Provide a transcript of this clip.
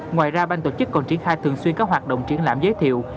ngoài ra bang tổ chức còn triển khai thường xuyên các hoạt động triển lãm giới thiệu